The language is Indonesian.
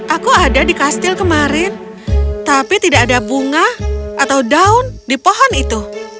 aku ada di kastil kemarin tapi tidak ada bunga atau daun di pohon itu